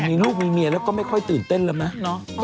มีลูกมีเมียแล้วก็ไม่ค่อยตื่นเต้นแล้วมั้ง